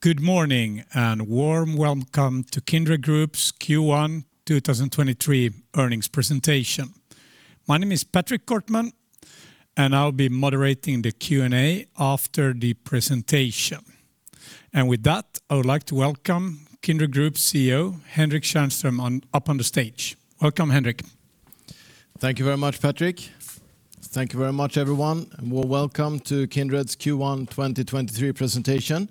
Good morning and warm welcome to Kindred Group's Q1 2023 Earnings Presentation. My name is Patrick Kortman, and I'll be moderating the Q&A after the presentation. With that, I would like to welcome Kindred Group CEO, Henrik Tjärnström up on the stage. Welcome, Henrik. Thank you very much, Patrick. Thank you very much, everyone, and warm welcome to Kindred's Q1 2023 Presentation.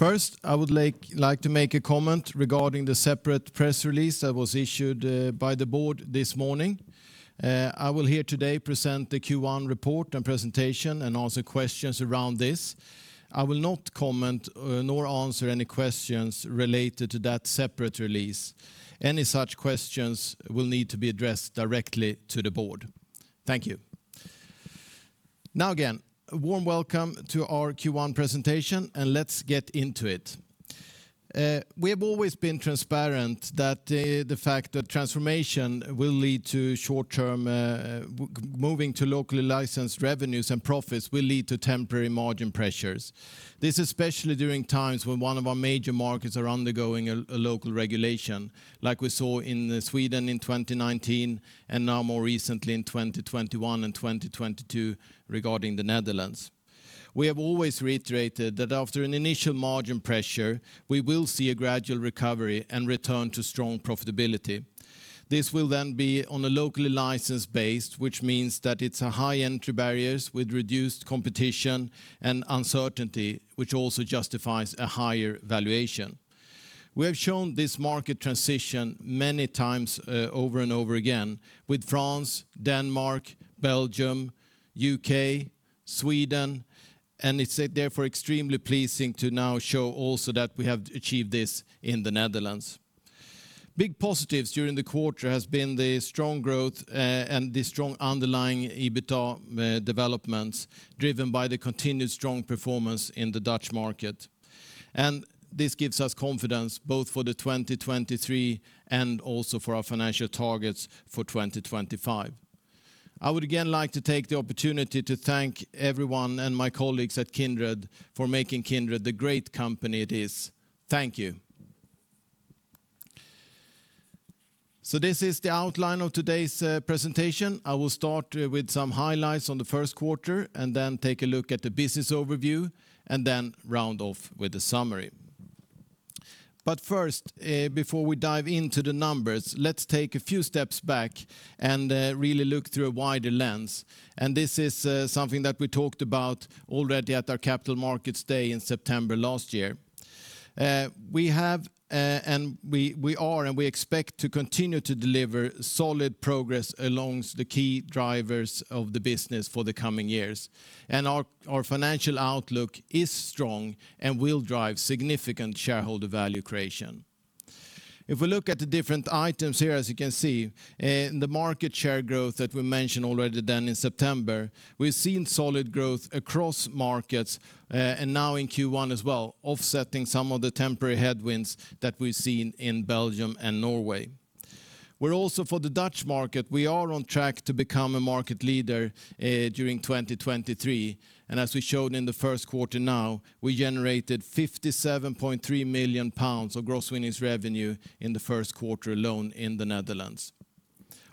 First, I would like to make a comment regarding the separate press release that was issued by the board this morning. I will here today present the Q1 report and presentation and answer questions around this. I will not comment nor answer any questions related to that separate release. Any such questions will need to be addressed directly to the board. Thank you. Now again, a warm welcome to our Q1 presentation, and let's get into it. We have always been transparent that the fact that transformation will lead to short-term moving to locally licensed revenues and profits will lead to temporary margin pressures. This especially during times when one of our major markets are undergoing a local regulation, like we saw in Sweden in 2019 and now more recently in 2021 and 2022 regarding the Netherlands. We have always reiterated that after an initial margin pressure, we will see a gradual recovery and return to strong profitability. This will then be on a locally licensed base, which means that it's a high entry barriers with reduced competition and uncertainty, which also justifies a higher valuation. We have shown this market transition many times over and over again with France, Denmark, Belgium, U.K., Sweden, and it's therefore extremely pleasing to now show also that we have achieved this in the Netherlands. Big positives during the quarter has been the strong growth and the strong underlying EBITDA developments driven by the continued strong performance in the Dutch market. This gives us confidence both for 2023 and also for our financial targets for 2025. I would again like to take the opportunity to thank everyone and my colleagues at Kindred for making Kindred the great company it is. Thank you. This is the outline of today's presentation. I will start with some highlights on the Q1 and then take a look at the business overview and then round off with a summary. First, before we dive into the numbers, let's take a few steps back and really look through a wider lens. This is something that we talked about already at our Capital Markets Day in September last year. We have and we are and we expect to continue to deliver solid progress along the key drivers of the business for the coming years. Our financial outlook is strong and will drive significant shareholder value creation. If we look at the different items here, as you can see, in the market share growth that we mentioned already then in September, we've seen solid growth across markets, and now in Q1 as well, offsetting some of the temporary headwinds that we've seen in Belgium and Norway. We're also for the Dutch market, we are on track to become a market leader during 2023. As we showed in the Q1 now, we generated 57.3 million pounds of Gross winnings revenue in the Q1 alone in the Netherlands.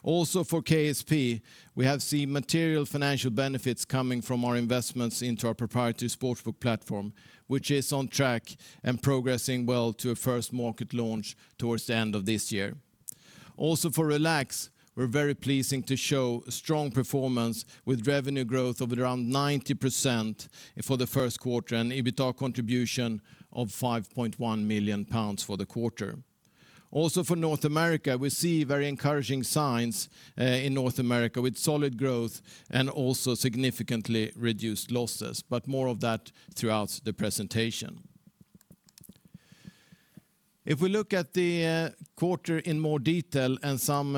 Also for KSP, we have seen material financial benefits coming from our investments into our proprietary sportsbook platform, which is on track and progressing well to a first market launch towards the end of this year. For Relax, we're very pleasing to show strong performance with revenue growth of around 90% for the Q1 and EBITDA contribution of 5.1 million pounds for the quarter. For North America, we see very encouraging signs in North America with solid growth and also significantly reduced losses, but more of that throughout the presentation. If we look at the quarter in more detail and some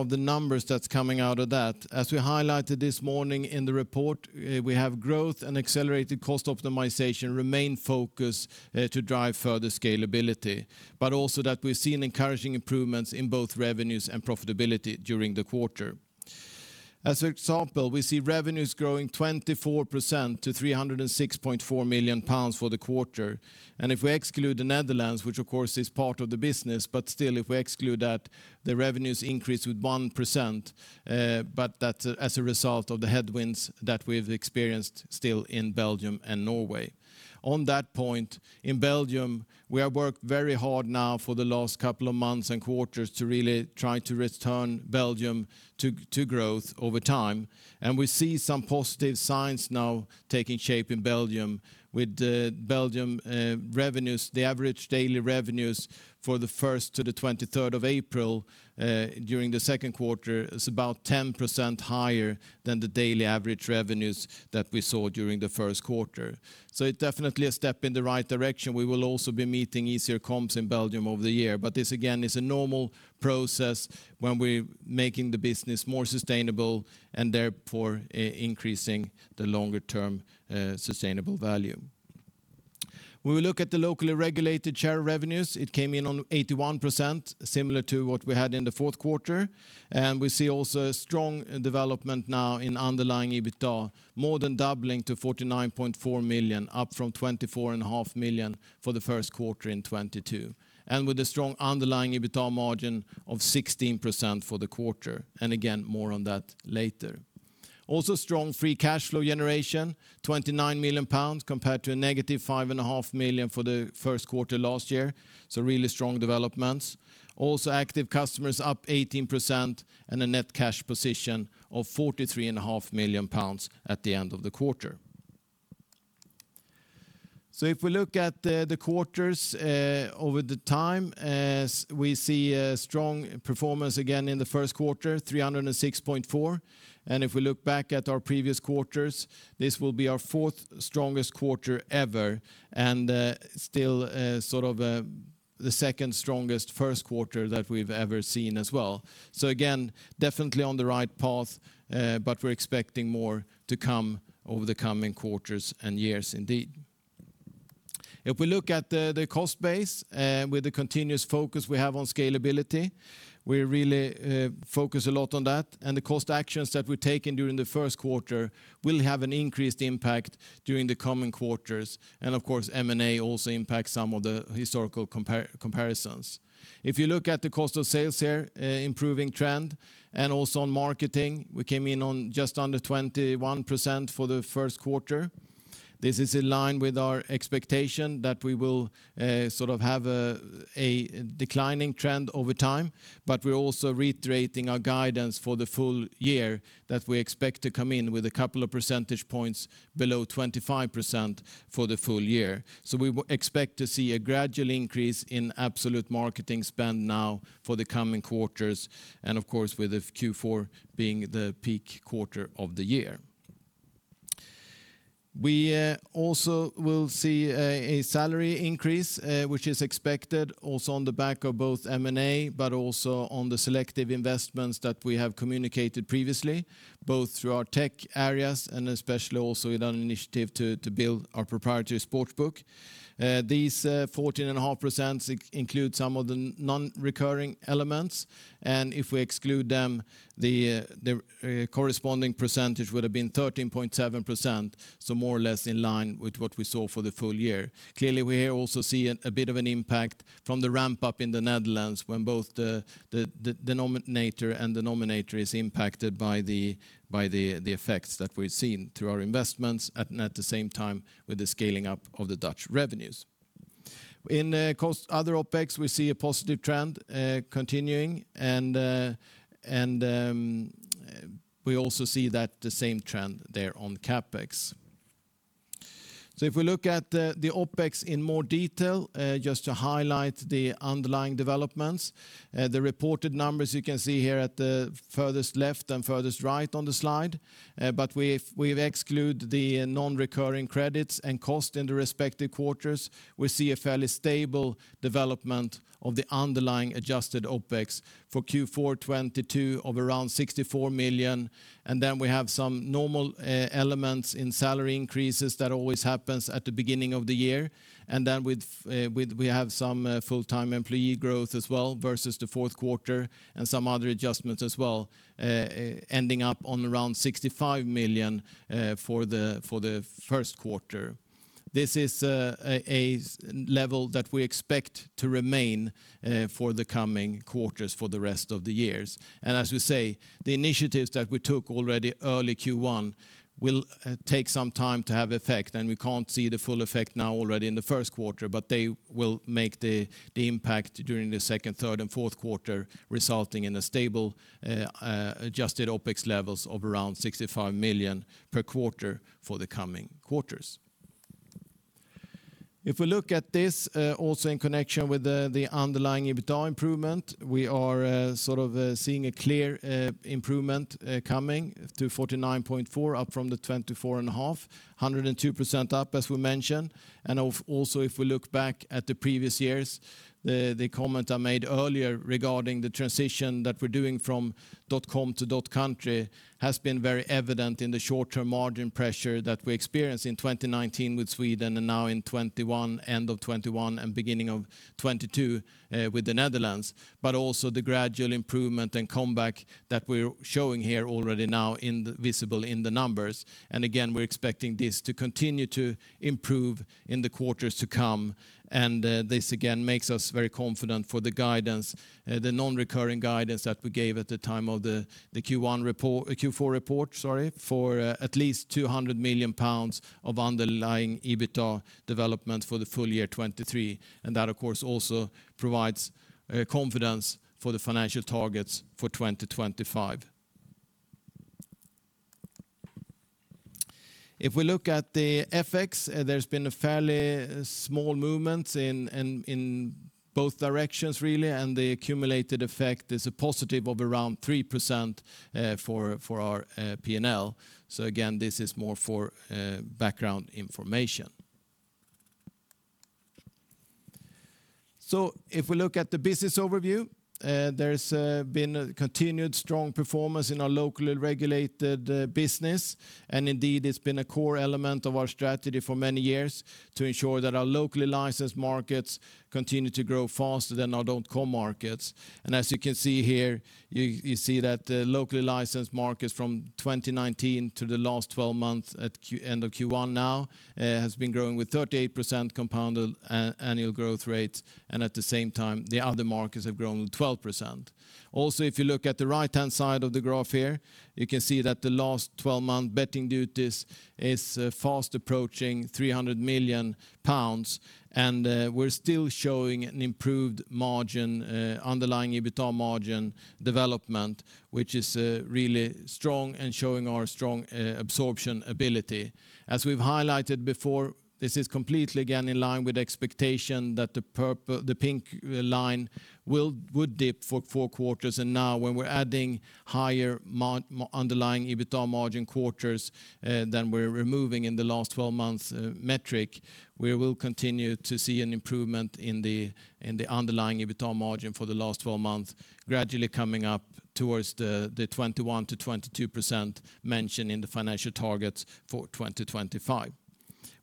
of the numbers that's coming out of that, as we highlighted this morning in the report, we have growth and accelerated cost optimization remain focus to drive further scalability, but also that we've seen encouraging improvements in both revenues and profitability during the quarter. As an example, we see revenues growing 24% to 306.4 million pounds for the quarter. If we exclude the Netherlands, which of course is part of the business, but still if we exclude that, the revenues increase with 1%, but that's as a result of the headwinds that we've experienced still in Belgium and Norway. On that point, in Belgium, we have worked very hard now for the last couple of months and quarters to really try to return Belgium to growth over time. We see some positive signs now taking shape in Belgium with the Belgium revenues, the average daily revenues for the 1st to the 23rd of April during the Q2 is about 10% higher than the daily average revenues that we saw during the Q1. It definitely a step in the right direction. We will also be meeting easier comps in Belgium over the year. This again is a normal process when we're making the business more sustainable and therefore increasing the longer-term, sustainable value. We will look at the locally regulated share revenues. It came in on 81%, similar to what we had in the Q4. We see also a strong development now in underlying EBITDA, more than doubling to 49.4 million, up from 24 and a half million for the Q1 in 2022. With a strong underlying EBITDA margin of 16% for the quarter. Again, more on that later. Also strong free cash flow generation, 29 million pounds compared to a negative 5 and a half million for the Q1 last year. Really strong developments. Also active customers up 18% and a net cash position of 43 and a half million at the end of the quarter. If we look at the quarters over the time, as we see a strong performance again in the Q1, 306.4. If we look back at our previous quarters, this will be our fourth strongest quarter ever, and still sort of the second strongest Q1 that we've ever seen as well. Again, definitely on the right path, but we're expecting more to come over the coming quarters and years indeed. If we look at the cost base, with the continuous focus we have on scalability, we really focus a lot on that. The cost actions that we're taking during the Q1 will have an increased impact during the coming quarters. Of course, M&A also impacts some of the historical comparisons. If you look at the cost of sales here, improving trend, and also on marketing, we came in on just under 21% for the Q1. This is in line with our expectation that we will have a declining trend over time, but we're also reiterating our guidance for the full year that we expect to come in with a couple of percentage points below 25% for the full year. We will expect to see a gradual increase in absolute marketing spend now for the coming quarters, and of course with Q4 being the peak quarter of the year. We also will see a salary increase, which is expected also on the back of both M&A, but also on the selective investments that we have communicated previously, both through our tech areas and especially also with our initiative to build our proprietary sports book. These 14.5% include some of the non-recurring elements. If we exclude them, the corresponding percentage would have been 13.7%, so more or less in line with what we saw for the full year. Clearly, we also see a bit of an impact from the ramp up in the Netherlands when both the nominator and denominator is impacted by the effects that we've seen through our investments and at the same time with the scaling up of the Dutch revenues. In cost other OpEx, we see a positive trend continuing and we also see that the same trend there on CapEx. If we look at the OpEx in more detail, just to highlight the underlying developments, the reported numbers you can see here at the furthest left and furthest right on the slide. We've exclude the non-recurring credits and cost in the respective quarters. We see a fairly stable development of the underlying adjusted OpEx for Q4 2022 of around 64 million. Then we have some normal elements in salary increases that always happens at the beginning of the year. Then with we have some full-time employee growth as well versus the Q4 and some other adjustments as well, ending up on around 65 million for the Q1. This is a level that we expect to remain for the coming quarters for the rest of the years. As we say, the initiatives that we took already early Q1 will take some time to have effect, and we can't see the full effect now already in the Q1, but they will make the impact during the Q2, Q3, and Q4 resulting in a stable adjusted OpEx levels of around 65 million per quarter for the coming quarters. If we look at this, also in connection with the underlying EBITDA improvement, we are sort of seeing a clear improvement coming to 49.4%, up from the 24.5%, 102% up, as we mentioned. Also, if we look back at the previous years, the comment I made earlier regarding the transition that we're doing from dot-com to dot-country has been very evident in the short-term margin pressure that we experienced in 2019 with Sweden and now in 2021, end of 2021 and beginning of 2022, with the Netherlands. Also the gradual improvement and comeback that we're showing here already now visible in the numbers. Again, we're expecting this to continue to improve in the quarters to come. This again makes us very confident for the guidance, the non-recurring guidance that we gave at the time of the Q4 report, sorry, for at least 200 million pounds of underlying EBITDA development for the full year 2023. That of course, also provides confidence for the financial targets for 2025. If we look at the FX, there's been a fairly small movement in both directions really, the accumulated effect is a positive of around 3% for our P&L. Again, this is more for background information. If we look at the business overview, there's been a continued strong performance in our locally regulated business, and indeed it's been a core element of our strategy for many years to ensure that our locally licensed markets continue to grow faster than our own core markets. As you can see here, you see that the locally licensed markets from 2019 to the last 12 months at end of Q1 now, has been growing with 38% compounded annual growth rate, and at the same time, the other markets have grown with 12%. If you look at the right-hand side of the graph here, you can see that the last 12-month betting duties is fast approaching 300 million pounds. We're still showing an improved margin, underlying EBITDA margin development, which is really strong and showing our strong absorption ability. As we've highlighted before, this is completely again in line with the expectation that the pink line would dip for 4 quarters. Now when we're adding higher underlying EBITDA margin quarters than we're removing in the last 12 months metric, we will continue to see an improvement in the, in the underlying EBITDA margin for the last 4 months, gradually coming up towards the 21%-22% mentioned in the financial targets for 2025.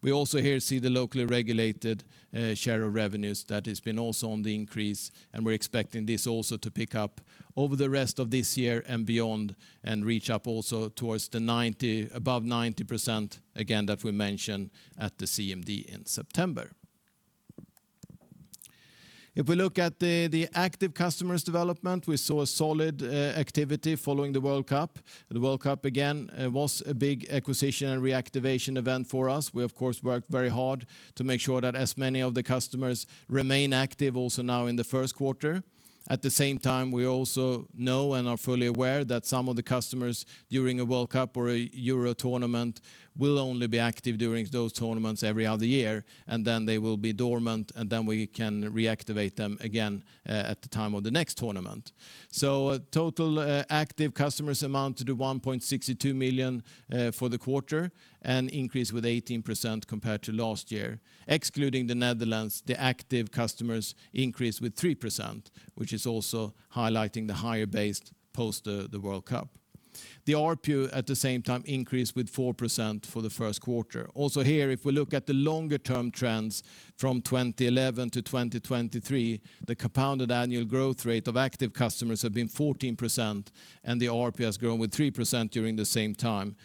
We also here see the locally regulated share of revenues that has been also on the increase, and we're expecting this also to pick up over the rest of this year and beyond, and reach up also towards above 90% again that we mentioned at the CMD in September. If we look at the active customers development, we saw a solid activity following the World Cup. The World Cup again was a big acquisition and reactivation event for us. We of course worked very hard to make sure that as many of the customers remain active also now in the Q1. At the same time, we also know and are fully aware that some of the customers during a World Cup or a Euro tournament will only be active during those tournaments every other year, and then they will be dormant, and then we can reactivate them again at the time of the next tournament. Total active customers amount to the 1.62 million for the quarter, an increase with 18% compared to last year. Excluding the Netherlands, the active customers increased with 3%, which is also highlighting the higher base post the World Cup. The ARPU at the same time increased with 4% for the Q1. Here, if we look at the longer-term trends from 2011 to 2023, the compounded annual growth rate of active customers have been 14%, and the ARPU has grown with 3% during the same time.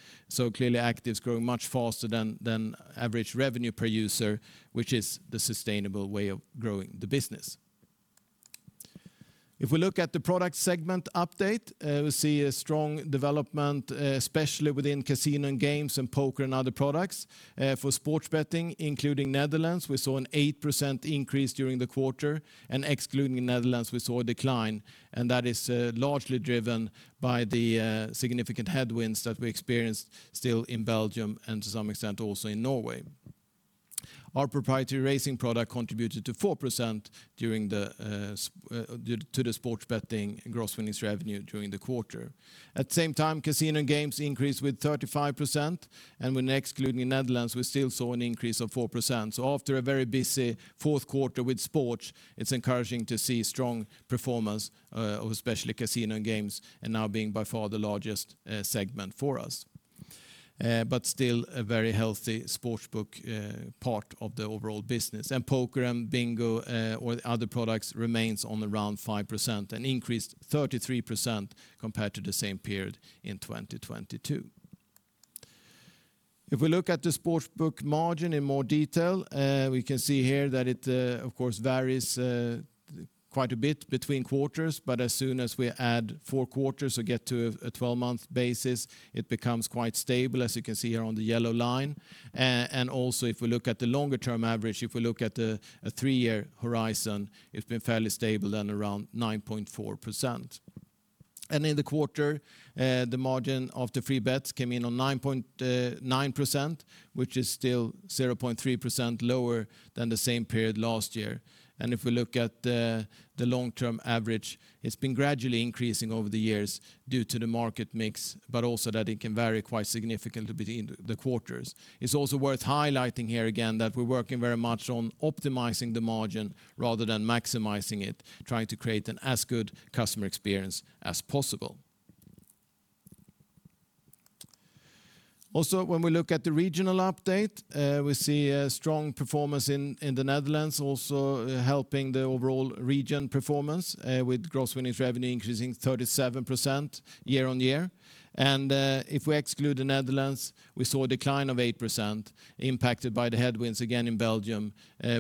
Clearly, active's growing much faster than average revenue per user, which is the sustainable way of growing the business. If we look at the product segment update, we see a strong development, especially within casino and games and poker and other products. For sports betting, including Netherlands, we saw an 8% increase during the quarter, and excluding Netherlands, we saw a decline, and that is largely driven by the significant headwinds that we experienced still in Belgium and to some extent also in Norway. Our proprietary racing product contributed to 4% due to the sports betting Gross winnings revenue during the quarter. At the same time, casino games increased with 35%, and when excluding Netherlands, we still saw an increase of 4%. After a very busy Q4 with sports, it's encouraging to see strong performance of especially casino and games and now being by far the largest segment for us. Still a very healthy sportsbook part of the overall business. Poker and bingo or other products remains on around 5% and increased 33% compared to the same period in 2022. If we look at the sportsbook margin in more detail, we can see here that it, of course varies, quite a bit between quarters, but as soon as we add 4 quarters to get to a 12-month basis, it becomes quite stable, as you can see here on the yellow line. Also if we look at the longer-term average, if we look at a 3-year horizon, it's been fairly stable and around 9.4%. In the quarter, the margin of the free bets came in on 9.9%, which is still 0.3% lower than the same period last year. If we look at the long-term average, it's been gradually increasing over the years due to the market mix, but also that it can vary quite significantly between the quarters. It's also worth highlighting here again that we're working very much on optimizing the margin rather than maximizing it, trying to create an as good customer experience as possible. Also, when we look at the regional update, we see a strong performance in the Netherlands also helping the overall region performance, with Gross winnings revenue increasing 37% year on year. If we exclude the Netherlands, we saw a decline of 8% impacted by the headwinds again in Belgium,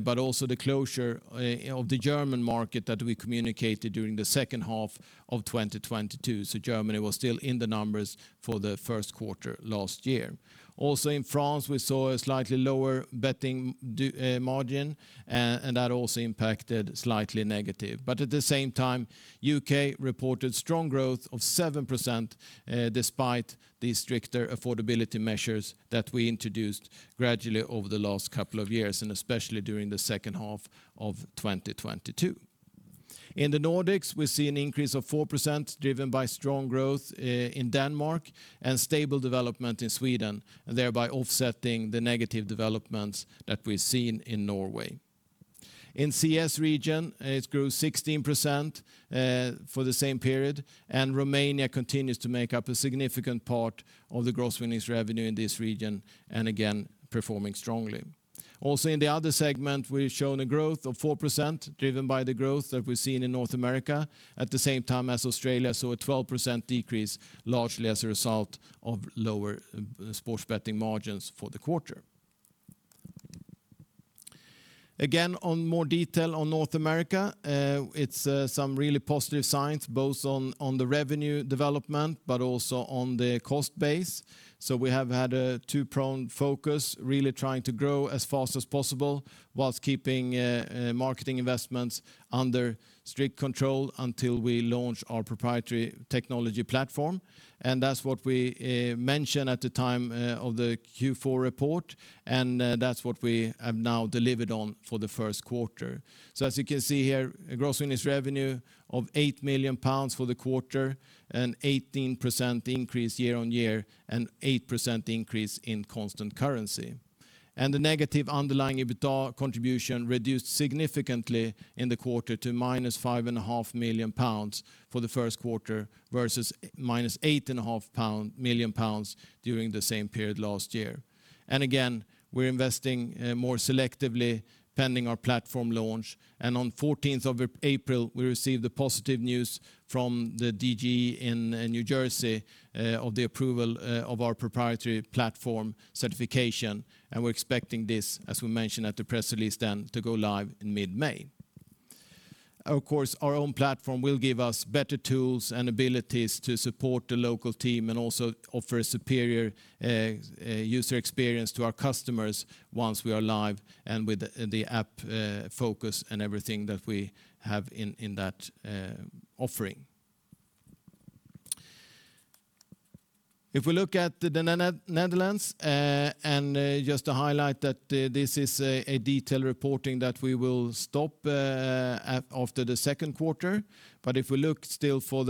but also the closure of the German market that we communicated during the second half of 2022. Germany was still in the numbers for the Q1 last year. Also in France, we saw a slightly lower betting margin, and that also impacted slightly negative. At the same time,U.K. reported strong growth of 7% despite the stricter affordability measures that we introduced gradually over the last couple of years, and especially during the second half of 2022. In the Nordics, we see an increase of 4% driven by strong growth in Denmark and stable development in Sweden, thereby offsetting the negative developments that we're seeing in Norway. In CES region, it grew 16% for the same period, and Romania continues to make up a significant part of the Gross winnings revenue in this region, and again, performing strongly. Also in the other segment, we're shown a growth of 4% driven by the growth that we're seeing in North America. At the same time as Australia, saw a 12% decrease, largely as a result of lower sports betting margins for the quarter. On more detail on North America, it's some really positive signs, both on the revenue development, but also on the cost base. We have had a two-pronged focus, really trying to grow as fast as possible whilst keeping marketing investments under strict control until we launch our proprietary technology platform. That's what we mentioned at the time of the Q4 report, and that's what we have now delivered on for the Q1. As you can see here, Gross winnings revenue of 8 million pounds for the quarter, an 18% increase year-on-year, and 8% increase in constant currency. The negative underlying EBITDA contribution reduced significantly in the quarter to minus five and a half million pounds for the Q1 versus minus eight and a half million pounds during the same period last year. Again, we're investing more selectively pending our platform launch. On 14th of April, we received the positive news from the DGE in New Jersey of the approval of our proprietary platform certification. We're expecting this, as we mentioned at the press release then, to go live in mid-May. Of course, our own platform will give us better tools and abilities to support the local team and also offer a superior user experience to our customers once we are live and with the app focus and everything that we have in that offering. If we look at the Netherlands, and just to highlight that this is a detailed reporting that we will stop after the Q2. If we look still for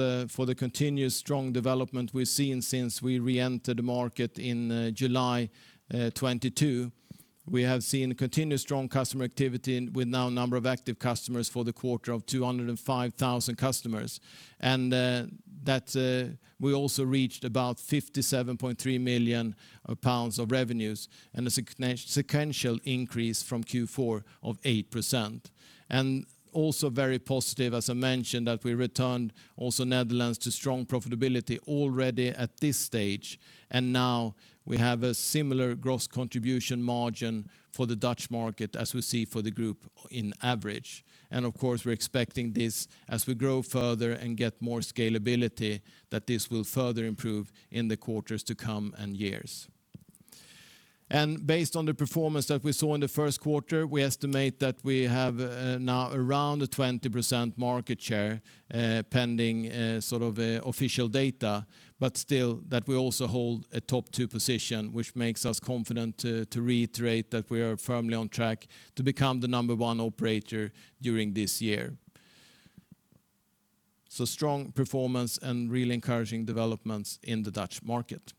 the continuous strong development we're seeing since we reentered the market in July 2022, we have seen continuous strong customer activity with now a number of active customers for the quarter of 205,000 customers. That we also reached about 57.3 million pounds of revenues and a sequential increase from Q4 of 8%. Also very positive, as I mentioned, that we returned also Netherlands to strong profitability already at this stage. Now we have a similar gross contribution margin for the Dutch market as we see for the group in average. Of course, we're expecting this as we grow further and get more scalability, that this will further improve in the quarters to come and years. Based on the performance that we saw in the Q1, we estimate that we have now around a 20% market share, pending sort of official data, but still that we also hold a top two position, which makes us confident to reiterate that we are firmly on track to become the number one operator during this year. Strong performance and really encouraging developments in the Dutch market.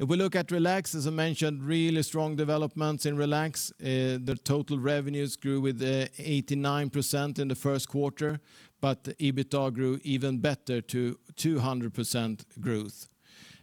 If we look at Relax, as I mentioned, really strong developments in Relax. The total revenues grew with 89% in the Q1, but the EBITDA grew even better to 200% growth.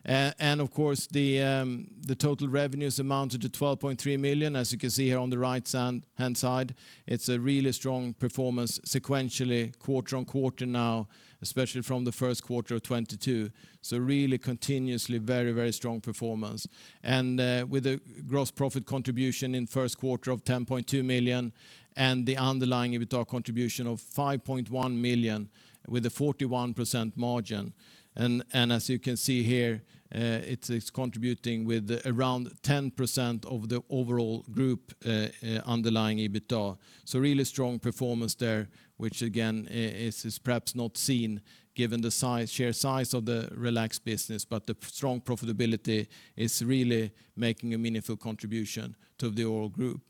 Of course, the total revenues amounted to 12.3 million, as you can see here on the right-hand side. It's a really strong performance sequentially quarter-on-quarter now, especially from the Q1 of 2022. Really continuously very, very strong performance. With the Gross profit contribution in Q1 of 10.2 million and the underlying EBITDA contribution of 5.1 million with a 41% margin. As you can see here, it's contributing with around 10% of the overall group underlying EBITDA. Really strong performance there, which again, is perhaps not seen given the sheer size of the Relax business, but the strong profitability is really making a meaningful contribution to the overall group.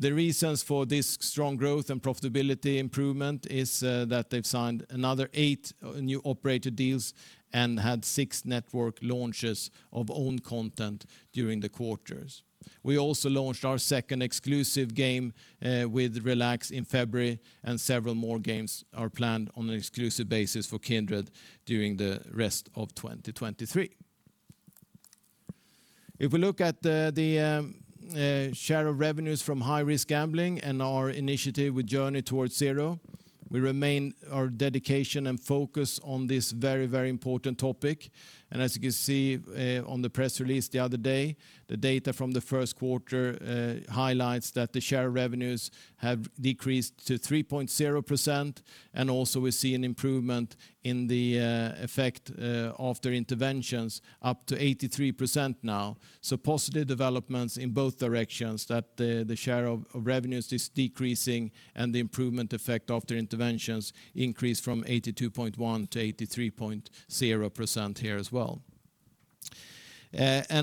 The reasons for this strong growth and profitability improvement is that they've signed another eight new operator deals and had six network launches of own content during the quarters. We also launched our second exclusive game with Relax in February, several more games are planned on an exclusive basis for Kindred during the rest of 2023. If we look at the share of revenues from high-risk gambling and our initiative with Journey towards Zero, we remain our dedication and focus on this very, very important topic. As you can see on the press release the other day, the data from the Q1 highlights that the share of revenues have decreased to 3.0%, also we see an improvement in the effect after interventions up to 83% now. Positive developments in both directions that the share of revenues is decreasing and the improvement effect after interventions increased from 82.1 to 83.0% here as well.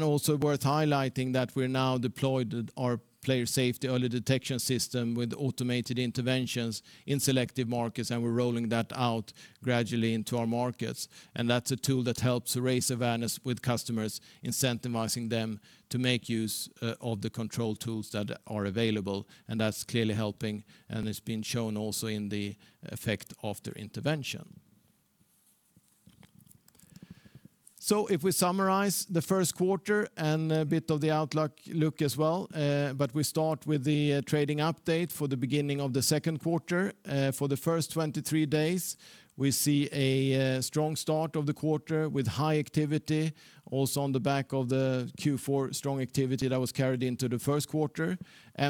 Also worth highlighting that we're now deployed our player safety early detection system with automated interventions in selective markets, and we're rolling that out gradually into our markets. That's a tool that helps raise awareness with customers, incentivizing them to make use of the control tools that are available, and that's clearly helping, and it's been shown also in the effect after intervention. If we summarize the Q1 and a bit of the outlook as well, we start with the trading update for the beginning of the Q2. For the first 23 days, we see a strong start of the quarter with high activity also on the back of the Q4 strong activity that was carried into the Q1.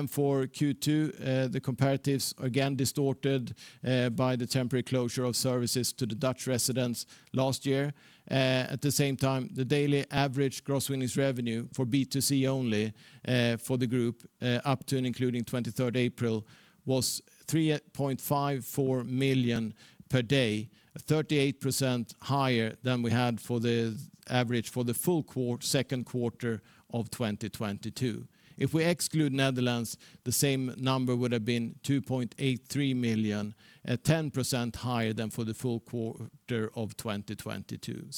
For Q2, the comparatives again distorted by the temporary closure of services to the Dutch residents last year. At the same time, the daily average Gross winnings revenue for B2C only for the group, up to and including 23rd April, was 3.54 million per day, 38% higher than we had for the average for the full Q2 of 2022. If we exclude Netherlands, the same number would have been 2.83 million, at 10% higher than for the full Q2 of 2022.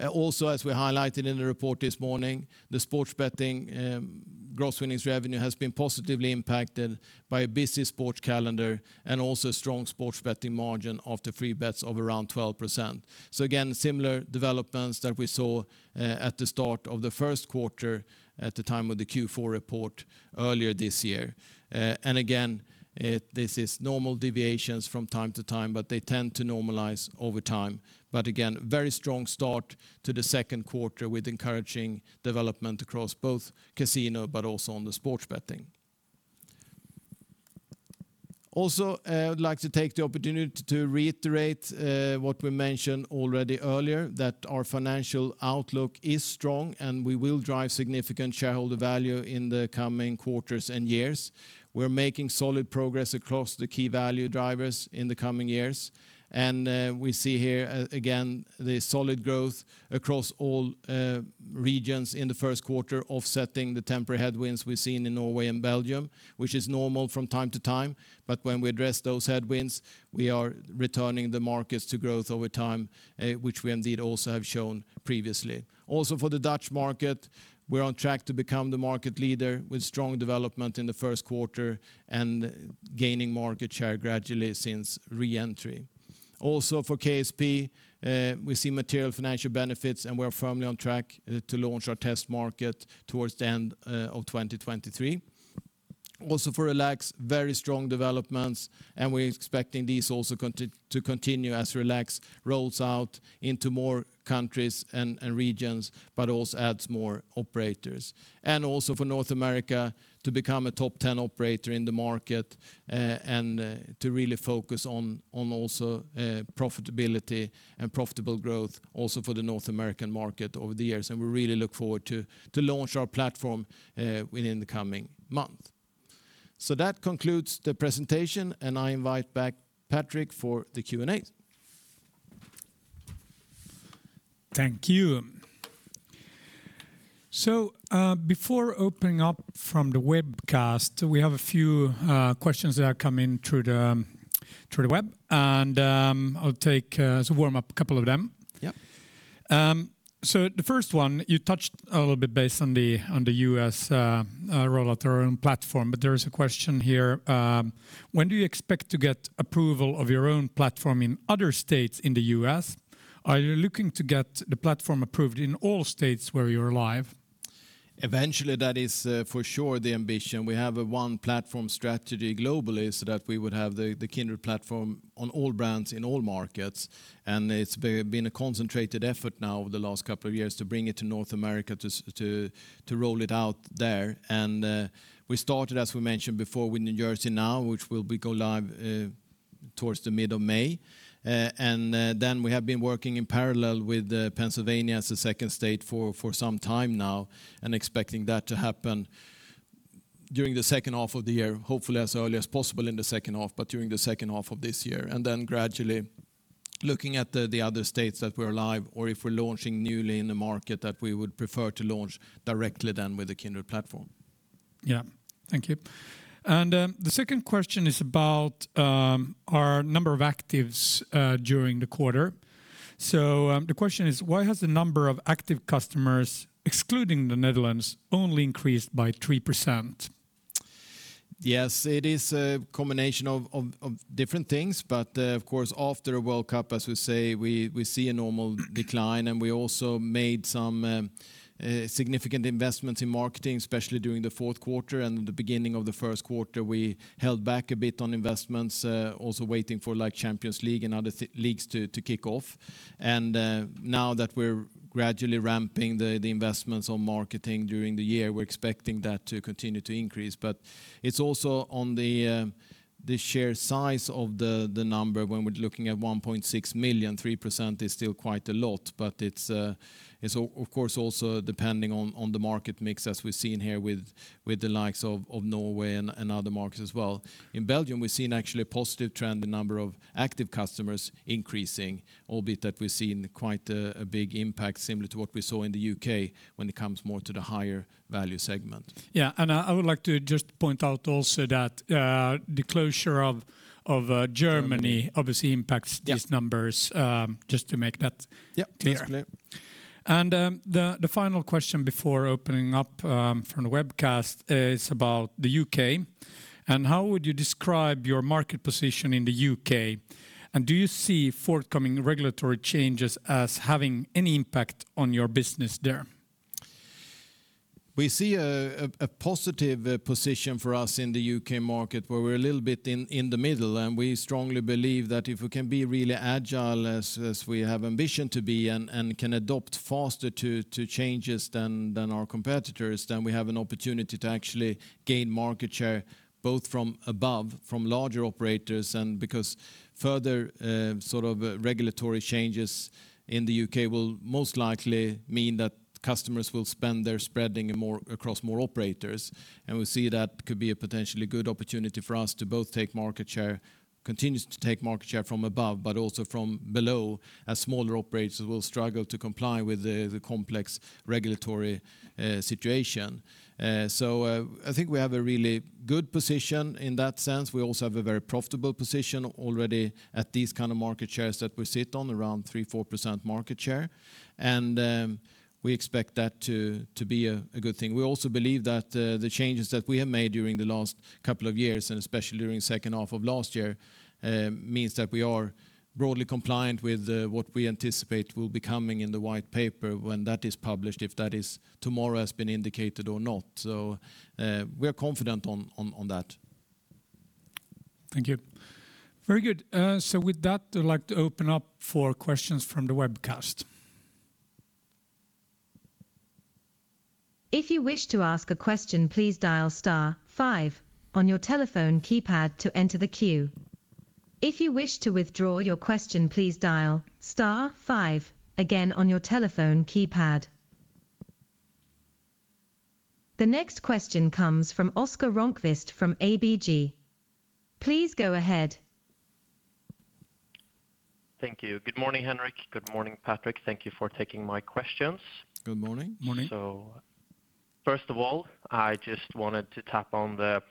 Also, as we highlighted in the report this morning, the sports betting, Gross winnings revenue has been positively impacted by a busy sports calendar and also strong sports betting margin of the free bets of around 12%. Again, similar developments that we saw at the start of the Q1 at the time of the Q4 report earlier this year. Again, this is normal deviations from time to time, but they tend to normalize over time. Again, very strong start to the Q2 with encouraging development across both casino, but also on the sports betting. Also, I would like to take the opportunity to reiterate what we mentioned already earlier, that our financial outlook is strong and we will drive significant shareholder value in the coming quarters and years. We're making solid progress across the key value drivers in the coming years. We see here, again, the solid growth across all regions in the Q1 offsetting the temporary headwinds we've seen in Norway and Belgium, which is normal from time to time. When we address those headwinds, we are returning the markets to growth over time, which we indeed also have shown previously. For the Dutch market, we're on track to become the market leader with strong development in the Q1 and gaining market share gradually since re-entry. For KSP, we see material financial benefits, and we're firmly on track to launch our test market towards the end of 2023. For Relax, very strong developments, and we're expecting these also to continue as Relax rolls out into more countries and regions, but also adds more operators. Also for North America to become a top 10 operator in the market, and to really focus on also profitability and profitable growth also for the North American market over the years. We really look forward to launch our platform within the coming month. That concludes the presentation, and I invite back Patrick for the Q&A. Thank you. Before opening up from the webcast, we have a few questions that have come in through the web, and I'll take as a warm-up a couple of them. Yep. The first one, you touched a little bit based on the U.S., roll out your own platform. There is a question here: When do you expect to get approval of your own platform in other states in the U.S.? Are you looking to get the platform approved in all states where you're live? Eventually, that is for sure the ambition. We have a one platform strategy globally so that we would have the Kindred platform on all brands in all markets. It's been a concentrated effort now over the last couple of years to bring it to North America to roll it out there. We started, as we mentioned before, with New Jersey now, which will be go live towards the mid of May. We have been working in parallel with Pennsylvania as a second state for some time now and expecting that to happen during the second half of the year. Hopefully as early as possible in the second half, but during the second half of this year. Then gradually looking at the other states that we're live or if we're launching newly in the market that we would prefer to launch directly than with a Kindred platform. Yeah. Thank you. The second question is about our number of actives during the quarter. The question is, why has the number of active customers, excluding the Netherlands, only increased by 3%? Yes, it is a combination of different things. Of course, after a World Cup, as we say, we see a normal decline, and we also made some significant investments in marketing, especially during the Q4 and the beginning of the Q1. We held back a bit on investments, also waiting for like Champions League and other leagues to kick off. Now that we're gradually ramping the investments on marketing during the year, we're expecting that to continue to increase. It's also on the share size of the number when we're looking at 1.6 million, 3% is still quite a lot. It's of course also depending on the market mix as we've seen here with the likes of Norway and other markets as well. In Belgium, we've seen actually a positive trend, the number of active customers increasing, albeit that we've seen quite a big impact similar to what we saw in theU.K. when it comes more to the higher value segment. Yeah. I would like to just point out also that the closure of Germany obviously impacts these numbers, just to make it clear. The final question before opening up from the webcast is about the U.K. How would you describe your market position in the U.K.? Do you see forthcoming regulatory changes as having any impact on your business there? We see a positive position for us in the U.K. market where we're a little bit in the middle. We strongly believe that if we can be really agile as we have ambition to be and can adopt faster to changes than our competitors, then we have an opportunity to actually gain market share both from above, from larger operators and because further sort of regulatory changes in the U.K. will most likely mean that customers will spend their spreading more across more operators. We see that could be a potentially good opportunity for us to both take market share, continue to take market share from above, but also from below as smaller operators will struggle to comply with the complex regulatory situation. I think we have a really good position in that sense. We also have a very profitable position already at these kind of market shares that we sit on around 3%, 4% market share. We expect that to be a good thing. We also believe that the changes that we have made during the last couple of years, and especially during second half of last year, means that we are broadly compliant with what we anticipate will be coming in the white paper when that is published, if that is tomorrow has been indicated or not. We are confident on that. Thank you. Very good. With that, I'd like to open up for questions from the webcast. If you wish to ask a question, please dial star five on your telephone keypad to enter the queue. If you wish to withdraw your question, please dial star five again on your telephone keypad. The next question comes from Oscar Rönnkvist from ABG. Please go ahead. Thank you. Good morning, Henrik. Good morning, Patrick. Thank you for taking my questions. Good morning. Morning. First of all, I just wanted to tap on the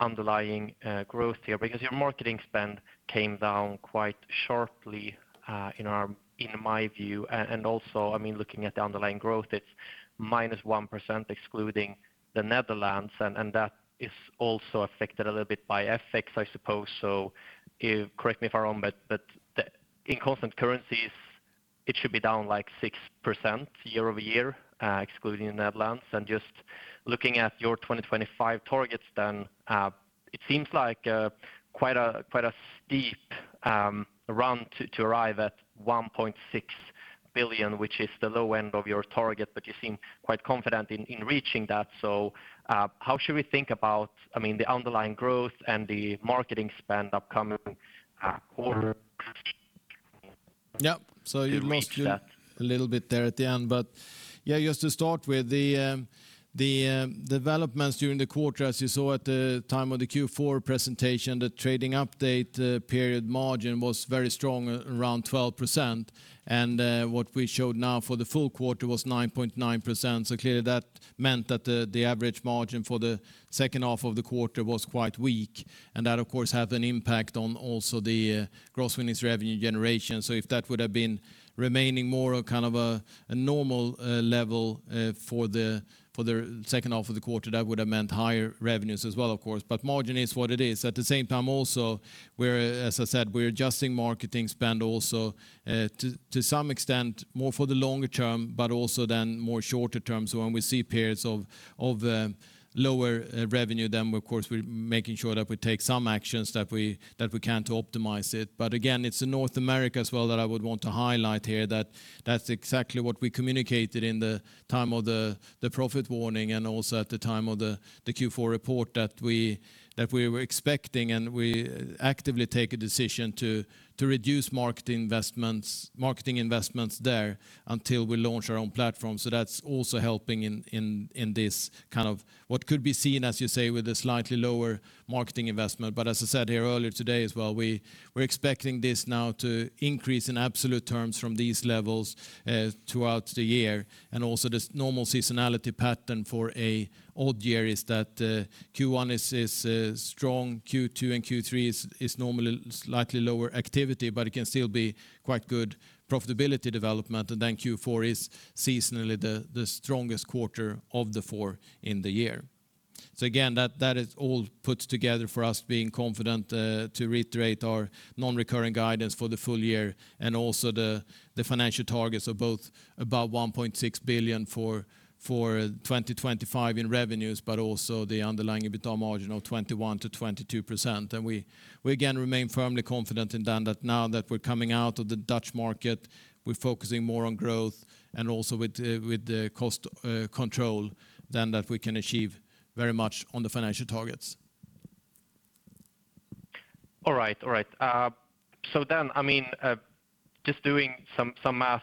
underlying growth here because your marketing spend came down quite sharply in my view. Also, I mean, looking at the underlying growth, it's -1% excluding the Netherlands, and that is also affected a little bit by FX, I suppose. Correct me if I'm wrong, but in constant currencies, it should be down like 6% year-over-year, excluding the Netherlands. Just looking at your 2025 targets then, it seems like quite a, quite a steep run to arrive at 1.6 billion, which is the low end of your target, but you seem quite confident in reaching that. How should we think about, I mean, the underlying growth and the marketing spend upcoming quarter to reach that? You lost me a little bit there at the end. Yeah, just to start with the developments during the quarter as you saw at the time of the Q4 presentation, the trading update, period margin was very strong around 12%. What we showed now for the full quarter was 9.9%. Clearly that meant that the average margin for the second half of the quarter was quite weak. That of course had an impact on also the Gross winnings revenue generation. If that would have been remaining more of kind of a normal level for the second half of the quarter, that would have meant higher revenues as well of course. Margin is what it is. At the same time, as I said, we're adjusting marketing spend also, to some extent more for the longer term, but also then more shorter term. When we see periods of lower revenue, then of course we're making sure that we take some actions that we can to optimize it. Again, it's in North America as well that I would want to highlight here that that's exactly what we communicated in the time of the profit warning and also at the time of the Q4 report that we were expecting. We actively take a decision to reduce marketing investments there until we launch our own platform. That's also helping in this kind of what could be seen, as you say, with a slightly lower marketing investment. As I said here earlier today as well, we're expecting this now to increase in absolute terms from these levels throughout the year. Also this normal seasonality pattern for a odd year is that Q1 is strong. Q2 and Q3 is normally slightly lower activity, but it can still be quite good profitability development. Then Q4 is seasonally the strongest quarter of the four in the year. Again, that is all put together for us being confident to reiterate our non-recurring guidance for the full year and also the financial targets of both about 1.6 billion for 2025 in revenues, but also the underlying EBITDA margin of 21%-22%. We again remain firmly confident in then that now that we're coming out of the Dutch market, we're focusing more on growth and also with the cost control than that we can achieve very much on the financial targets. All right. All right. I mean, just doing some math,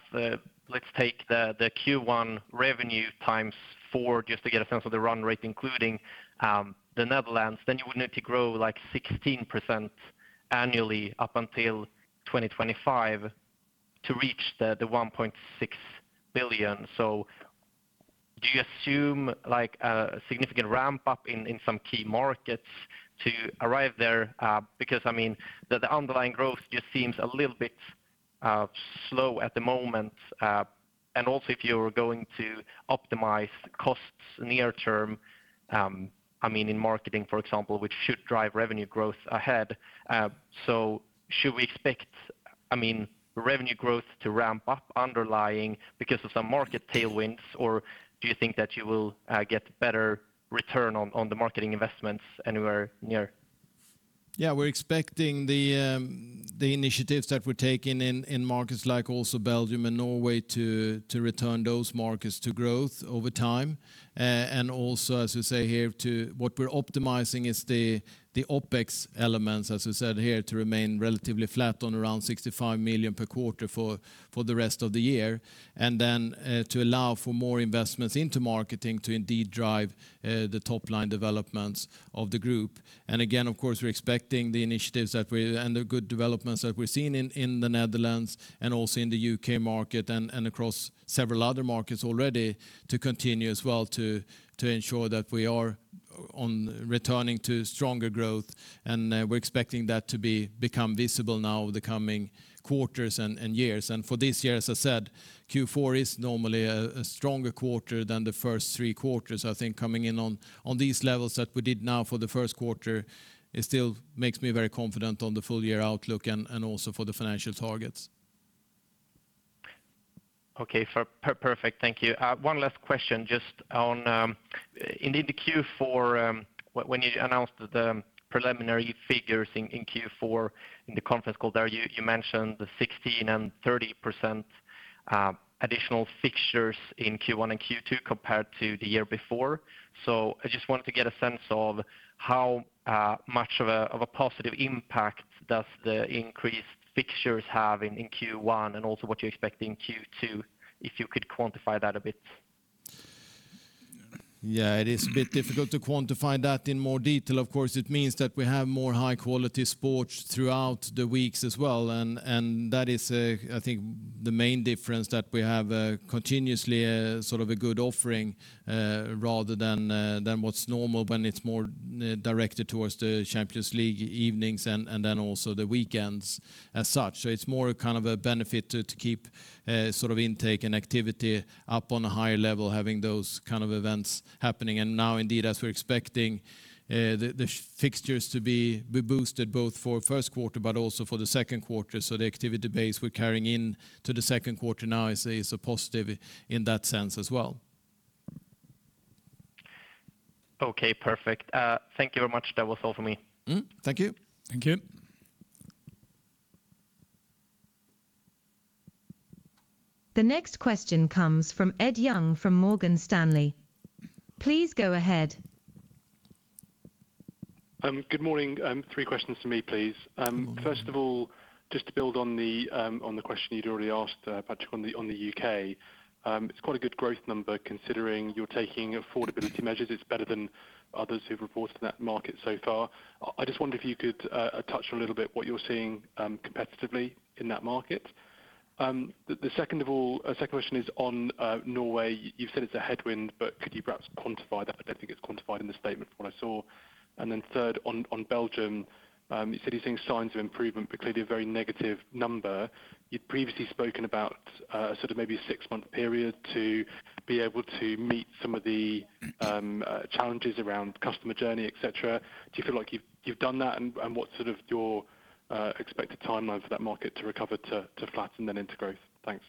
let's take the Q1 revenue times four just to get a sense of the run rate, including the Netherlands, then you would need to grow like 16% annually up until 2025 to reach the 1.6 billion. Do you assume like a significant ramp up in some key markets to arrive there? Because I mean, the underlying growth just seems a little bit slow at the moment. Also if you're going to optimize costs near term, I mean, in marketing, for example, which should drive revenue growth ahead. Should we expect I mean, revenue growth to ramp up underlying because of some market tailwinds or do you think that you will get better return on the marketing investments anywhere near? We're expecting the initiatives that we're taking in markets like also Belgium and Norway to return those markets to growth over time. Also, as we say here to what we're optimizing is the OpEx elements, as we said here, to remain relatively flat on around 65 million per quarter for the rest of the year. Then, to allow for more investments into marketing to indeed drive the top line developments of the group. Again, of course, we're expecting the initiatives that we and the good developments that we're seeing in the Netherlands and also in theU.K. market and across several other markets already to continue as well to ensure that we are on returning to stronger growth. We're expecting that to become visible now the coming quarters and years. For this year, as I said, Q4 is normally a stronger quarter than the first three quarters. I think coming in on these levels that we did now for the Q1, it still makes me very confident on the full year outlook and also for the financial targets. Okay. Perfect. Thank you. One last question just on, indeed the Q4, when you announced the preliminary figures in Q4 in the conference call there, you mentioned the 16% and 30% additional fixtures in Q1 and Q2 compared to the year before. I just wanted to get a sense of how much of a positive impact does the increased fixtures have in Q1 and also what you expect in Q2, if you could quantify that a bit. Yeah. It is a bit difficult to quantify that in more detail. Of course, it means that we have more high-quality sports throughout the weeks as well. That is, I think the main difference that we have continuously sort of a good offering rather than than what's normal when it's more directed towards the Champions League evenings and then also the weekends as such. It's more kind of a benefit to keep sort of intake and activity up on a higher level, having those kind of events happening. Now indeed, as we're expecting the fixtures to be boosted both for Q1 but also for the Q2. The activity base we're carrying in to the Q2 now is a positive in that sense as well. Okay, perfect. Thank you very much. That was all for me. Thank you. Thank you. The next question comes from Ed Young from Morgan Stanley. Please go ahead. Good morning. Three questions for me, please. First of all, just to build on the question you'd already asked, Patrick, on the U.K. It's quite a good growth number, considering you're taking affordability measures. It's better than others who've reported in that market so far. I just wonder if you could touch a little bit what you're seeing competitively in that market. The second of all, second question is on Norway. You've said it's a headwind, but could you perhaps quantify that? I don't think it's quantified in the statement from what I saw. Third on Belgium, you said you're seeing signs of improvement, but clearly a very negative number. You'd previously spoken about, sort of maybe a 6-month period to be able to meet some of the challenges around customer journey, et cetera. Do you feel like you've done that? What's sort of your expected timeline for that market to recover to flatten then into growth? Thanks.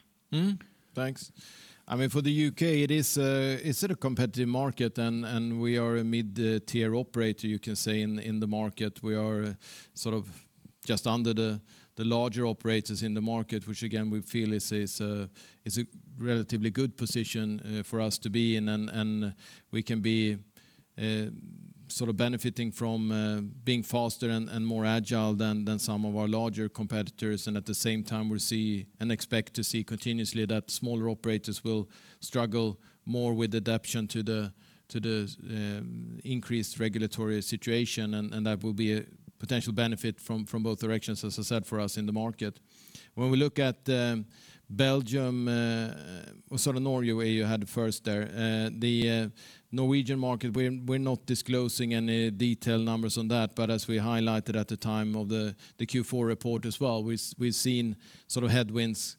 Thanks. I mean, for the U.K. it is, it's a competitive market and we are a mid-tier operator, you can say in the market. We are sort of just under the larger operators in the market, which again we feel is a relatively good position for us to be in. We can be sort of benefiting from being faster and more agile than some of our larger competitors. At the same time we see and expect to see continuously that smaller operators will struggle more with adaptation to the increased regulatory situation. That will be a potential benefit from both directions, as I said, for us in the market. When we look at Belgium, or sorry Norway, you had first there the Norwegian market, we're not disclosing any detailed numbers on that. As we highlighted at the time of the Q4 report as well, we've seen sort of headwinds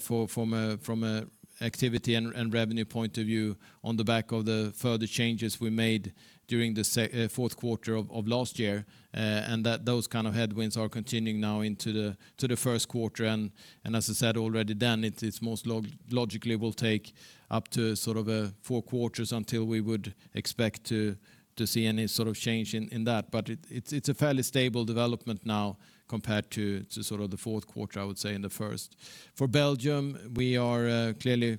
from an activity and revenue point of view on the back of the further changes we made during the Q4 of last year. That those kind of headwinds are continuing now into the Q1. As I said already then, it is most logically will take up to sort of four quarters until we would expect to see any sort of change in that. It's a fairly stable development now compared to sort of the Q4, I would say in the first. For Belgium, we are clearly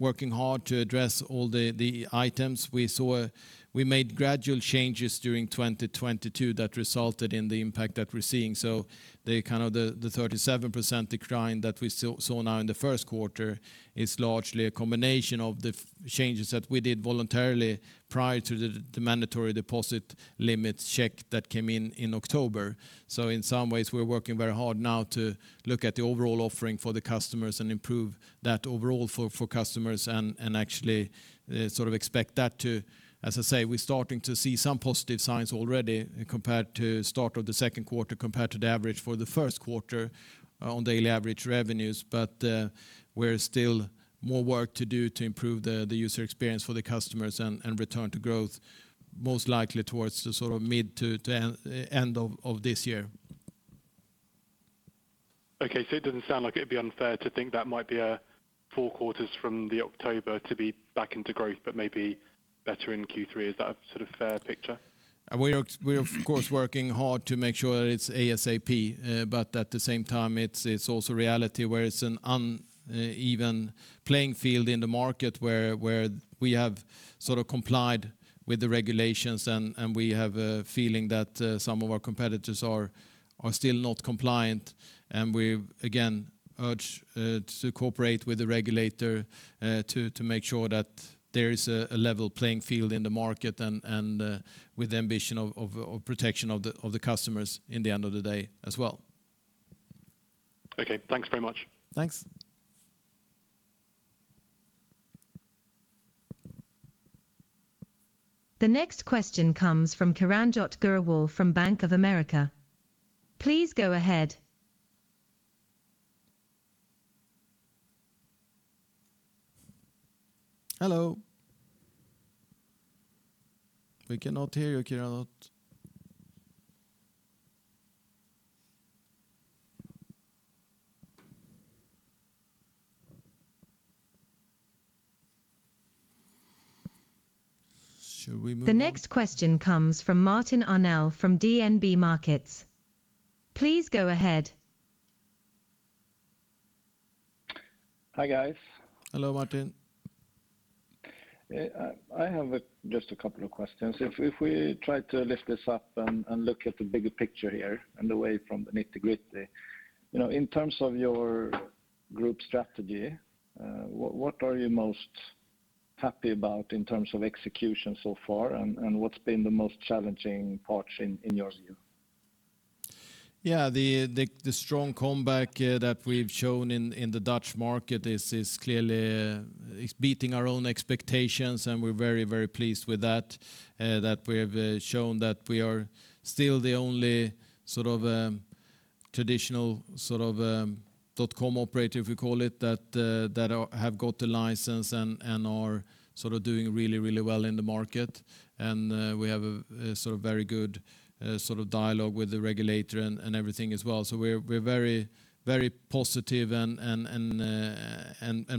working hard to address all the items we saw. We made gradual changes during 2022 that resulted in the impact that we're seeing. The kind of the 37% decline that we saw now in the Q1 is largely a combination of the changes that we did voluntarily prior to the mandatory deposit limits check that came in in October. In some ways, we're working very hard now to look at the overall offering for the customers and improve that overall for customers and, actually, expect that to, as I say, we're starting to see some positive signs already compared to start of the Q2 compared to the average for the Q1 on daily average revenues. More work to do to improve the user experience for the customers and return to growth, most likely towards the mid to end of this year. It doesn't sound like it'd be unfair to think that might be four quarters from the October to be back into growth, but maybe better in Q3. Is that a sort of fair picture? We are of course working hard to make sure that it's ASAP. At the same time, it's also reality where it's an uneven playing field in the market where we have sort of complied with the regulations and we have a feeling that some of our competitors are still not compliant. We've again urged to cooperate with the regulator to make sure that there is a level playing field in the market and with the ambition of protection of the customers in the end of the day as well. Okay. Thanks very much. Thanks. The next question comes from Kiranjot Grewal from Bank of America. Please go ahead. Hello. We cannot hear you, Kiranjot. Should we move on? The next question comes from Martin Arnell from DNB Markets. Please go ahead. Hi, guys. Hello, Martin. I have just a couple of questions. If we try to lift this up and look at the bigger picture here and away from the nitty-gritty in terms of your group strategy, what are you most happy about in terms of execution so far and what's been the most challenging part in your view? The strong comeback that we've shown in the Dutch market is clearly beating our own expectations, and we're very pleased with that we have shown that we are still the only sort of traditional sort of dot-com operator, if we call it, that have got the license and are sort of doing really well in the market. We have a sort of very good sort of dialogue with the regulator and everything as well. We're very positive and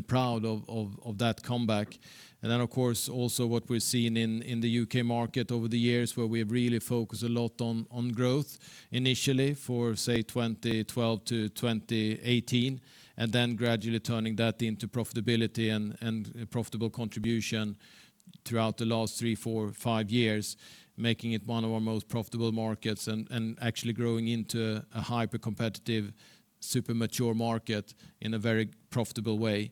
proud of that comeback. Of course, also what we've seen in theU.K. market over the years where we've really focused a lot on growth initially for say 2012 to 2018, and then gradually turning that into profitability and profitable contribution throughout the last three, four, five years, making it one of our most profitable markets and actually growing into a hypercompetitive, super mature market in a very profitable way.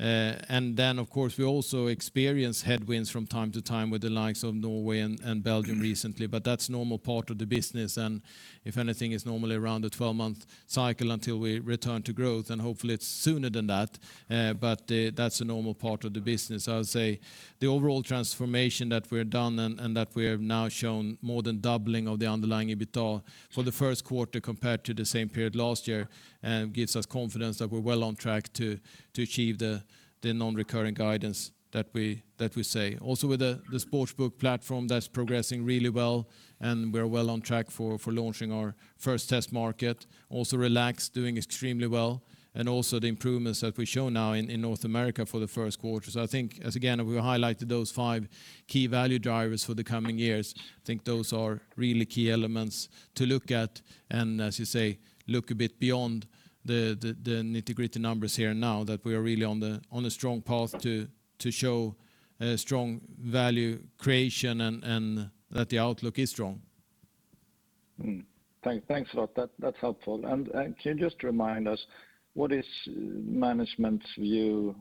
Of course, we also experience headwinds from time to time with the likes of Norway and Belgium recently, but that's normal part of the business and if anything is normally around a 12-month cycle until we return to growth, and hopefully it's sooner than that. That's a normal part of the business. I would say the overall transformation that we're done and that we have now shown more than doubling of the underlying EBITDA for the Q1 compared to the same period last year, gives us confidence that we're well on track to achieve the non-recurring guidance that we say. Also, with the Sportsbook platform that's progressing really well, and we're well on track for launching our first test market. Also Relax doing extremely well, and also the improvements that we show now in North America for the Q1. I think as again, we highlighted those five key value drivers for the coming years, I think those are really key elements to look at and as you say, look a bit beyond the nitty-gritty numbers here now that we are really on a strong path to show strong value creation and that the outlook is strong. Thanks a lot. That's helpful. Can you just remind us what is management's view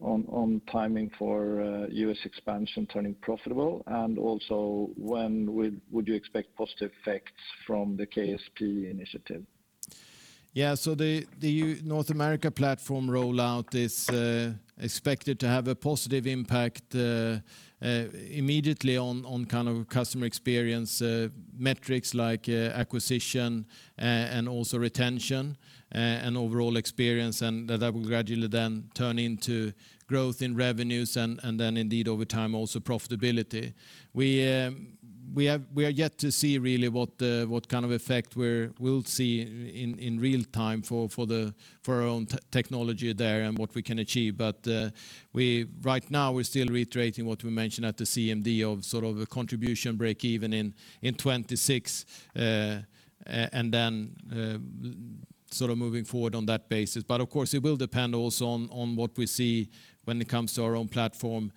on timing for U.S. expansion turning profitable? Also when would you expect positive effects from the KSP initiative? The North America platform rollout is expected to have a positive impact immediately on kind of customer experience metrics like acquisition and also retention and overall experience. That will gradually then turn into growth in revenues and then indeed over time, also profitability. We are yet to see really what kind of effect we'll see in real time for the for our own technology there and what we can achieve. Right now we're still reiterating what we mentioned at the CMD of sort of a contribution break even in 2026 and then sort of moving forward on that basis. Of course it will depend also on what we see when it comes to our own platform.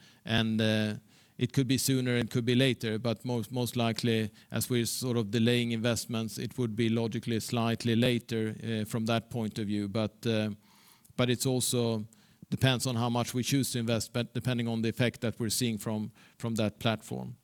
It could be sooner, it could be later, but most likely as we sort of delaying investments, it would be logically slightly later from that point of view. It also depends on how much we choose to invest, but depending on the effect that we're seeing from that platform.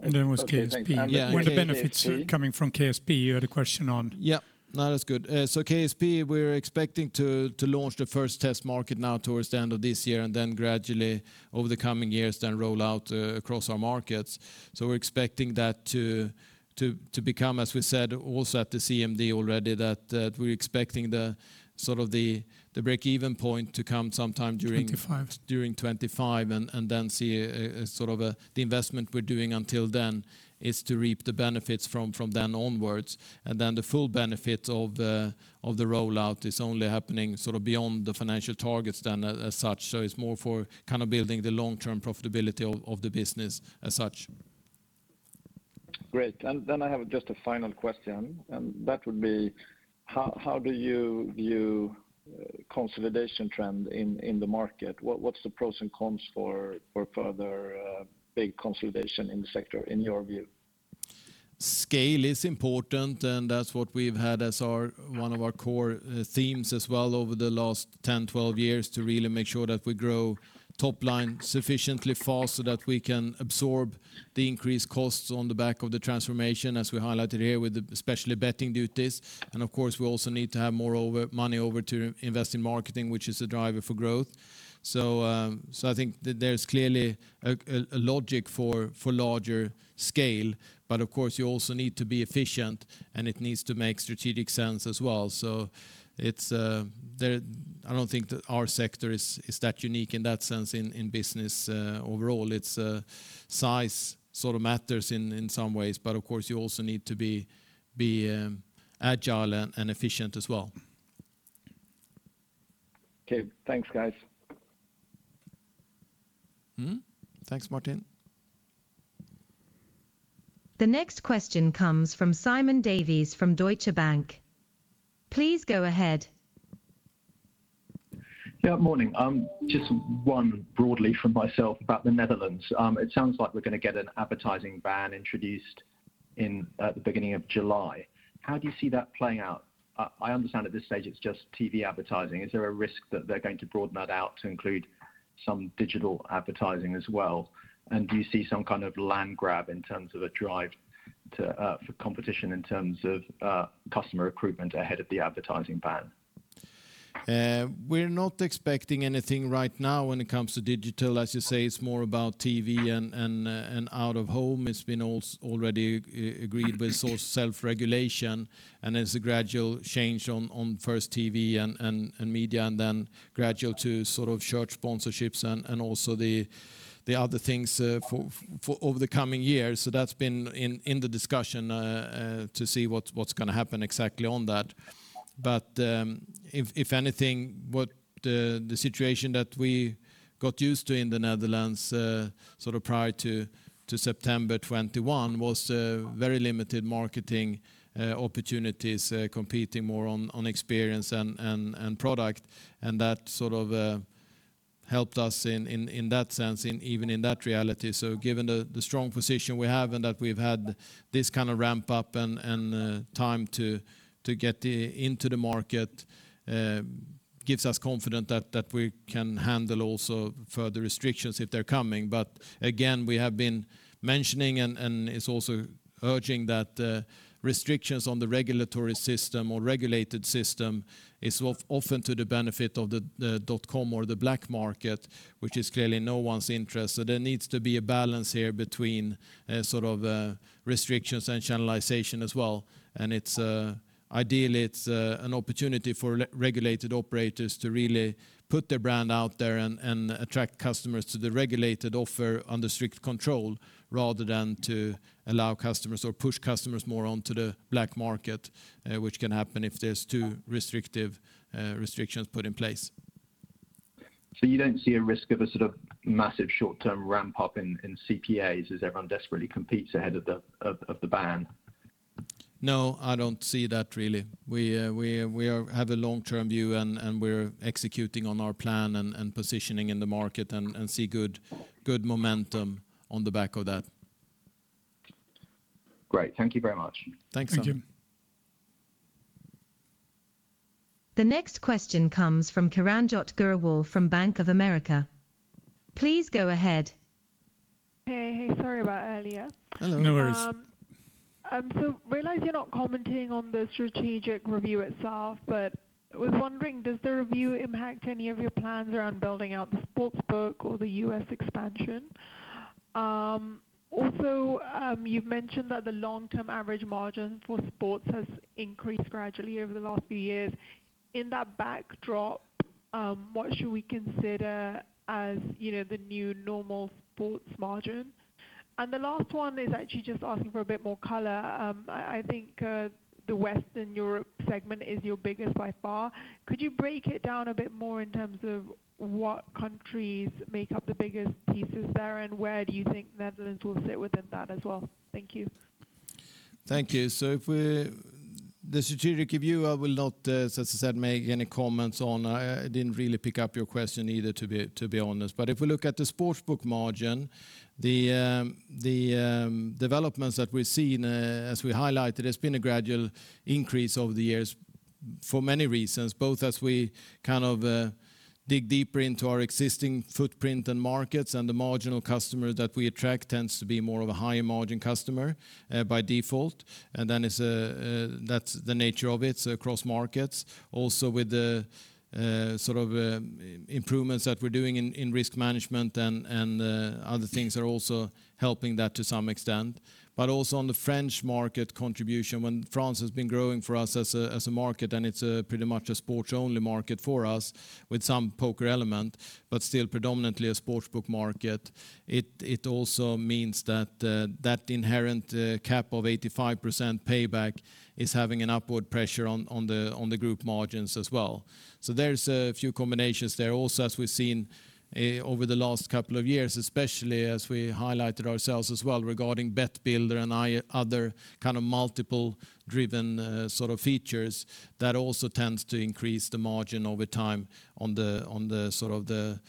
Then it was KSP. Okay, thank you. Where the benefits are coming from KSP, you had a question on. Yeah. No, that's good. KSP, we're expecting to launch the first test market now towards the end of this year and then gradually over the coming years, then roll out across our markets. We're expecting that to become, as we said also at the CMD already, that we're expecting the sort of the break-even point to come sometime during 2025. During 2025, and then see a sort of the investment we're doing until then is to reap the benefits from then onwards. The full benefit of the rollout is only happening sort of beyond the financial targets then as such. It's more for kind of building the long-term profitability of the business as such. Great. I have just a final question, and that would be how do you view consolidation trend in the market? What's the pros and cons for further big consolidation in the sector in your view? Scale is important, and that's what we've had as our one of our core themes as well over the last 10, 12 years to really make sure that we grow top line sufficiently fast so that we can absorb the increased costs on the back of the transformation, as we highlighted here with the especially betting duties. Of course, we also need to have money over to invest in marketing, which is a driver for growth. I think there's clearly a logic for larger scale. Of course you also need to be efficient and it needs to make strategic sense as well. It's, I don't think that our sector is that unique in that sense in business. Overall, it's size sort of matters in some ways, but of course you also need to be agile and efficient as well. Okay. Thanks, guys. Thanks, Martin. The next question comes from Simon Davies from Deutsche Bank. Please go ahead. Yeah. Morning. Just one broadly from myself about the Netherlands. It sounds like we're gonna get an advertising ban introduced in the beginning of July. How do you see that playing out? I understand at this stage it's just TV advertising. Is there a risk that they're going to broaden that out to include some digital advertising as well? Do you see some kind of land grab in terms of a drive to for competition in terms of customer recruitment ahead of the advertising ban? We're not expecting anything right now when it comes to digital. As you say, it's more about TV and out-of-home. It's been already agreed with source self-regulation, and there's a gradual change on first TV and media and then gradual to sort of shirt sponsorships and also the other things for over the coming years. That's been in the discussion to see what's gonna happen exactly on that. If, if anything, what the situation that we got used to in the Netherlands, sort of prior to September 2021 was very limited marketing opportunities, competing more on experience and product. That sort of helped us in that sense in even in that reality. Given the strong position we have and that we've had this kind of ramp up and time to get into the market, gives us confident that we can handle also further restrictions if they're coming. Again, we have been mentioning and it's also urging that restrictions on the regulatory system or regulated system is often to the benefit of the dot-com or the black market, which is clearly no one's interest. There needs to be a balance here between sort of restrictions and channelization as well. It's ideally it's an opportunity for re-regulated operators to really put their brand out there and attract customers to the regulated offer under strict control rather than to allow customers or push customers more onto the black market, which can happen if there's too restrictive restrictions put in place. You don't see a risk of a sort of massive short-term ramp-up in CPAs as everyone desperately competes ahead of the ban? No, I don't see that really. We have a long-term view and we're executing on our plan and positioning in the market and see good momentum on the back of that. Great. Thank you very much. Thanks, Simon. Thank you. The next question comes from Kiranjot Grewal from Bank of America. Please go ahead. Hey. Hey, sorry about earlier. No worries. Realize you're not commenting on the strategic review itself, but I was wondering, does the review impact any of your plans around building out the sports book or the US expansion? You've mentioned that the long-term average margin for sports has increased gradually over the last few years. In that backdrop, what should we consider as the new normal sports margin? The last one is actually just asking for a bit more color. The Western Europe segment is your biggest by far. Could you break it down a bit more in terms of what countries make up the biggest pieces there, and where do you think Netherlands will sit within that as well? Thank you. Thank you. The strategic review, I will not, as I said, make any comments on. I didn't really pick up your question either to be honest. If we look at the sports book margin, the developments that we've seen, as we highlighted, there's been a gradual increase over the years. For many reasons, both as we kind of dig deeper into our existing footprint and markets, and the marginal customer that we attract tends to be more of a higher margin customer, by default. Then it's, that's the nature of it, so across markets. Also with the sort of improvements that we're doing in risk management and other things are also helping that to some extent. Also on the French market contribution, when France has been growing for us as a market, and it's pretty much a sports-only market for us with some poker element, but still predominantly a sportsbook market. It also means that inherent cap of 85% payback is having an upward pressure on the group margins as well. There's a few combinations there. Also, as we've seen over the last couple of years, especially as we highlighted ourselves as well regarding bet builder and other kind of multiple driven sort of features, that also tends to increase the margin over time on the sort of the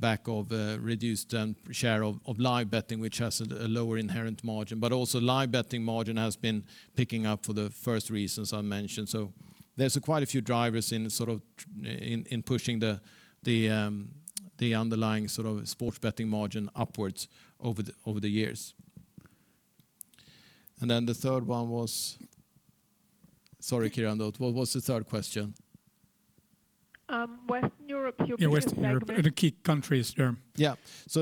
back of reduced share of live betting, which has a lower inherent margin. Also live betting margin has been picking up for the first reasons I mentioned. There's quite a few drivers in pushing the underlying sort of sports betting margin upwards over the years. Then the third one was. Sorry, Kiranjot. What was the third question? Western Europe. Your biggest segment. Yeah, Western Europe. The key countries there.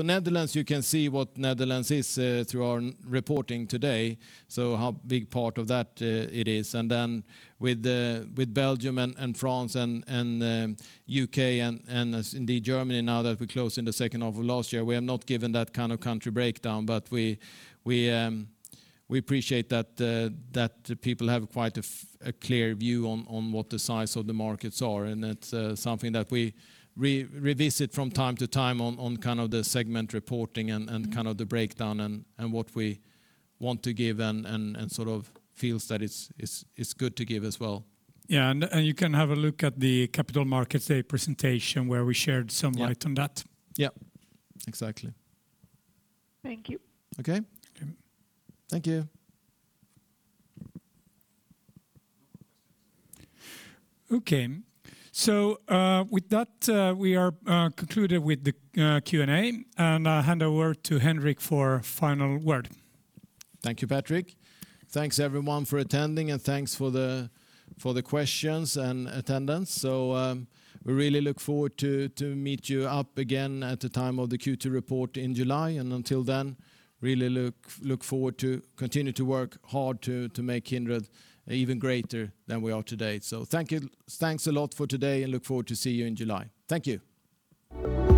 Netherlands, you can see what Netherlands is through our reporting today, so how big part of that it is. With Belgium and France andU.K. and as indeed Germany now that we closed in the second half of last year, we have not given that kind of country breakdown. We appreciate that the people have quite a clear view on what the size of the markets are, and it's something that we revisit from time to time on kind of the segment reporting and kind of the breakdown and what we want to give and sort of feels that it's good to give as well. You can have a look at the capital markets, a presentation where we shared some light on that. Yeah. Yeah. Exactly. Thank you. Okay. Okay. Thank you. Okay. With that, we are concluded with the Q&A, and I'll hand over to Henrik for final word. Thank you, Patrick. Thanks everyone for attending, and thanks for the questions and attendance. We really look forward to meet you up again at the time of the Q2 report in July. Until then, really look forward to continue to work hard to make Kindred even greater than we are today. Thank you. Thanks a lot for today, and look forward to see you in July. Thank you.